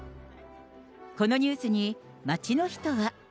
このニュースに街の人は。